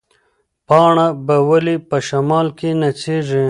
پاڼه به ولې په شمال کې نڅېږي؟